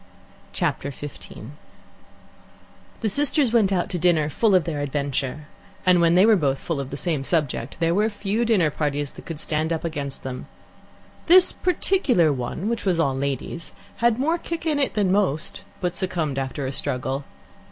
Chapter 15 The sisters went out to dinner full of their adventure, and when they were both full of the same subject, there were few dinner parties that could stand up against them. This particular one, which was all ladies, had more kick in it than most, but succumbed after a struggle.